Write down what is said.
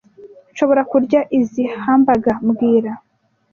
Nshobora kurya izoi hamburger mbwira